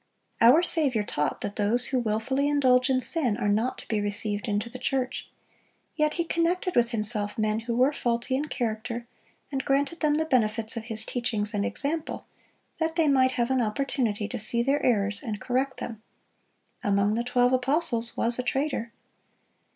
Our Saviour taught that those who wilfully indulge in sin are not to be received into the church; yet He connected with Himself men who were faulty in character, and granted them the benefits of His teachings and example, that they might have an opportunity to see their errors and correct them. Among the twelve apostles was a traitor.